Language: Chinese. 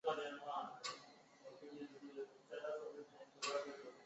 山霞镇是中国福建省泉州市惠安县下辖的一个镇。